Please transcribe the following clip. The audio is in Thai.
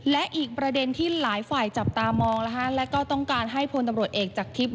และอีกประเด็นที่หลายฝ่ายจับตามองและก็ต้องการให้พลตำรวจเอกจากทิพย์